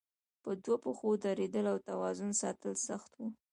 په دوو پښو درېدل او توازن ساتل سخت وو.